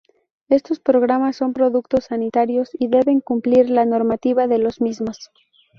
Estos programas son productos sanitarios y deben cumplir la normativa de los mismos.